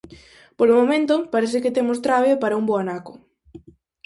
Polo momento, parece que temos trabe para un bo anaco.